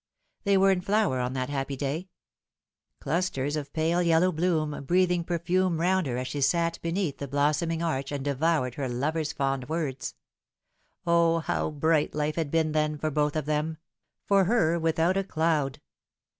They were in flower on that happy day clusters of pale yellow bloom, breathing per fume round her as she sat beneath the blossoming arch and devoured her lover's fond words. O, how bright life had been then for both of them ! for her without a cloud.